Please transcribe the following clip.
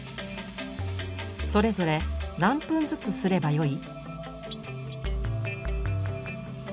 それぞれ何分ずつすればよい？